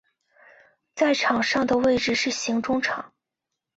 在场上的位置是型中场。